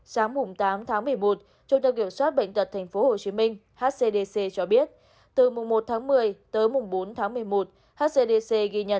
sáng tám một mươi một trung tâm kiểm soát bệnh tật tp hcm hcdc cho biết từ mùng một một mươi tới mùng bốn một mươi một